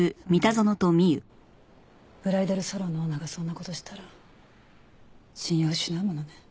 ブライダルサロンのオーナーがそんな事したら信用を失うものね。